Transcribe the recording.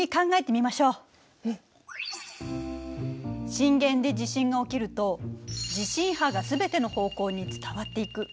震源で地震が起きると地震波が全ての方向に伝わっていく。